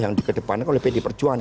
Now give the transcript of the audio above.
yang di kedepan oleh pdi perjuangan